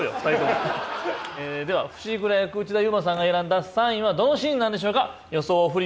ええでは伏黒役・内田雄馬さんが選んだ３位はどのシーンなんでしょうか？